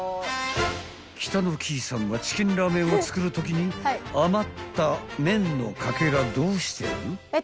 ［北乃きいさんはチキンラーメンを作るときに余った麺のカケラどうしてる？］